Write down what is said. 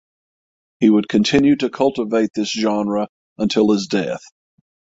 He would continue to cultivate this genre until his death.